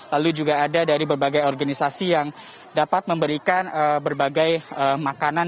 lalu juga ada dari berbagai organisasi yang dapat memberikan berbagai makanan